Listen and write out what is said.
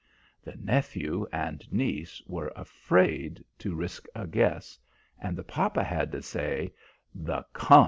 The nephew and niece were afraid to risk a guess, and the papa had to say: "The Khant!